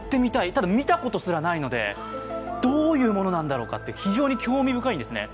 ただ見たことすらないのでどういうものなんだろうかと非常に興味深いですね。